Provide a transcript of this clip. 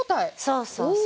そうそうそう。